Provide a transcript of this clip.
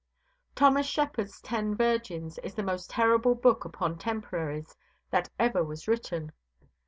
Thomas Shepard's Ten Virgins is the most terrible book upon Temporaries that ever was written.